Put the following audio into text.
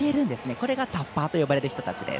これがタッパーと呼ばれる人たちです。